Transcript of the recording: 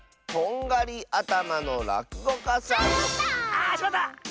あしまった！